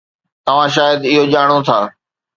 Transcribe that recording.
توهان شايد اهو ڄاڻو ٿا